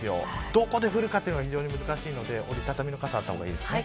どこで降るかというのが非常に難しいので折り畳みの傘あった方がいいですね。